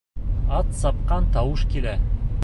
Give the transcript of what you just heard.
Ат сапҡан тауыш килә!